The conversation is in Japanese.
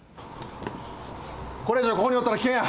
これ以上ここにおったら危険や。